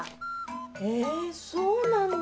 えそうなんだ。